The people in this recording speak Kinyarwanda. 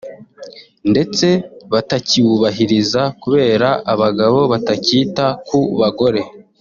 ndetse batakiwubahiriza kubera abagabo batakita ku bagore